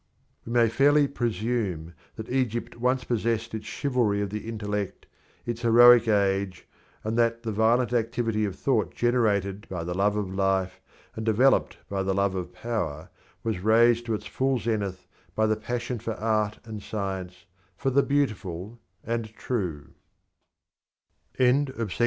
We may fairly presume that Egypt once possessed its chivalry of the intellect, its heroic age, and that the violent activity of thought generated by the love of life and developed by the love of power was raised to its full zenith by the passion for art and science, for the beautiful and the true.